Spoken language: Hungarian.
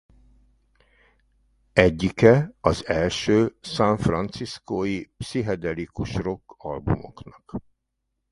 Egyike az első San Franciscó-i pszichedelikus rock albumoknak.